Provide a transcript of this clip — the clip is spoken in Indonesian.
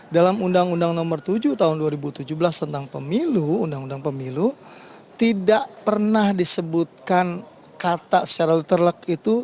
dalam undang undang nomor tujuh tahun dua ribu tujuh belas tentang pemilu undang undang pemilu tidak pernah disebutkan kata secara terlek itu